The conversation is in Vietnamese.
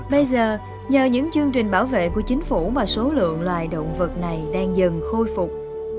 bây giờ nhờ những chương trình bảo vệ của chính phủ mà số lượng loài động vật này đang dần khôi phục